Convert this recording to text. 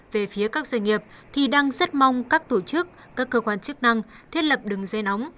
về phía các doanh nghiệp thì đang rất mong các tổ chức các cơ quan chức năng thiết lập đường dây nóng